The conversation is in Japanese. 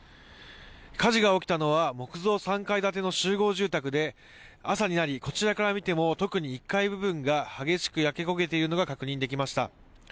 火事が起きたのは木造３階建ての集合住宅で、朝になり、こちらから見ても、特に１階部分が激しく焼け焦げているのが確認できました。